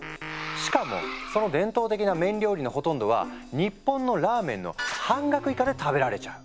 しかもその伝統的な麺料理のほとんどは日本のラーメンの半額以下で食べられちゃう。